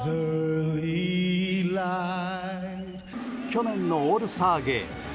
去年のオールスターゲーム。